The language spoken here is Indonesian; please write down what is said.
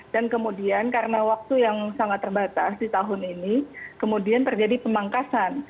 dan kemudian karena waktu yang sangat terbatas di tahun ini kemudian terjadi pemangkasan